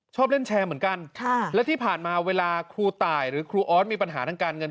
ชอบเล่นแชร์เหมือนกันและที่ผ่านมาเวลาครูตายหรือครูออสมีปัญหาทางการเงิน